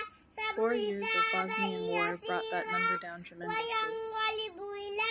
Four years of Bosnian War brought that number down tremendously.